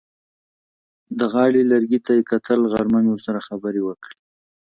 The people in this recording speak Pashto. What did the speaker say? د غاړې لرګي ته یې کتل: غرمه مې ورسره خبرې وکړې.